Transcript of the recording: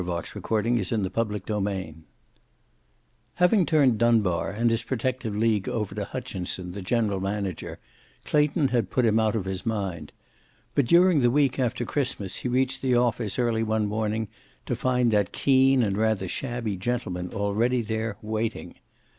Not the gift, but the giver. CHAPTER XIV Having turned Dunbar and his protective league over to Hutchinson, the general manager, Clayton had put him out of his mind. But during the week after Christmas he reached the office early one morning to find that keen and rather shabby gentleman already there, waiting.